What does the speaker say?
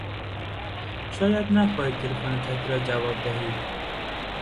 شاید نخواهید تلفن کسی را جواب دهید.